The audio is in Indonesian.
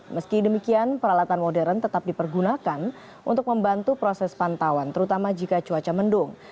meski demikian peralatan modern tetap dipergunakan untuk membantu proses pantauan terutama jika cuaca mendung